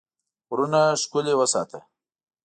غرونه ښکلي وساته.